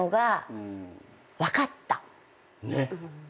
ねっ。